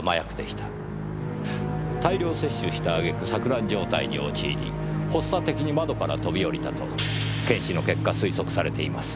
大量摂取したあげく錯乱状態に陥り発作的に窓から飛び降りたと検視の結果推測されています。